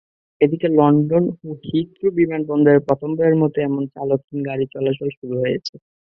এদিকে লন্ডনেও হিথ্রো বিমানবন্দরে প্রথমবারের মতো এমন চালকহীন গাড়ি চলাচল শুরু হয়েছে।